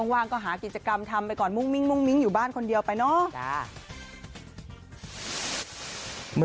ว่างก็หากิจกรรมทำไปก่อนมุ่งมิ้งอยู่บ้านคนเดียวไปเนาะ